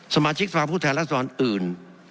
สมาชิกสภาพผู้แทนรัศดรอื่น